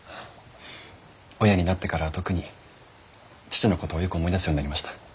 親になってからは特に父のことをよく思い出すようになりました。